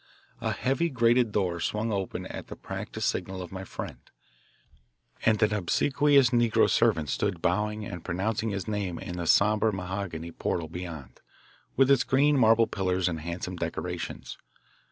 A heavy, grated door swung open at the practised signal of my friend, and an obsequious negro servant stood bowing and pronouncing his name in the sombre mahogany portal beyond, with its green marble pillars and handsome decorations.